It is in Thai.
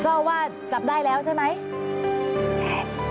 ก็ว่าจับได้แล้วใช่ไหม